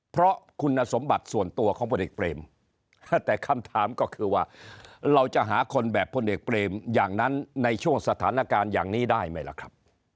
เพราะคุณสมบัติส่วนตัวของพลเอกเปรมแต่คำถามก็คือว่าเราจะหาคนแบบพลเอกเปรมอย่างนั้นในช่วงสถานการณ์อย่างนี้ได้ไหมล่ะครับ